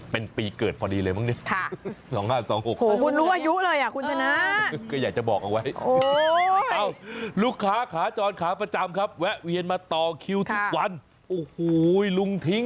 เป็นปีเกิดพอดีเลยมั้งเนี่ย